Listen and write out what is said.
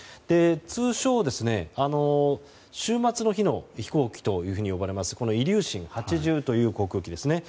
通称、終末の日の飛行機と呼ばれるイリューシン８０という航空機ですね。